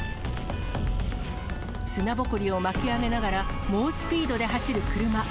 砂ぼこりを巻き上げながら、猛スピードで走る車。